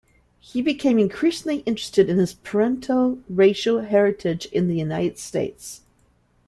He became increasingly interested in his paternal racial heritage in the United States.